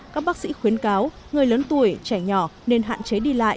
các bác sĩ khuyến cáo người lớn tuổi trẻ nhỏ nên hạn chế đi lại